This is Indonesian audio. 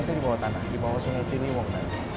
nanti di bawah tanah di bawah sungai ciliwung